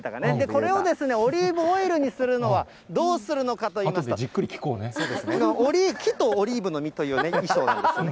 これをオリーブオイルにするには、どうするのかといいますと、オリーブと、オリーブの実という、衣装なんですね。